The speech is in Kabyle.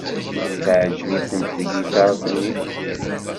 Teɛjeb-iten tgiṭart-nni.